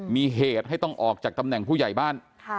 มีเหตุให้ต้องออกจากตำแหน่งผู้ใหญ่บ้าน